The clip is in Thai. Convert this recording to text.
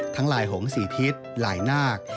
ทั้งลายหงสีทิศลายนาก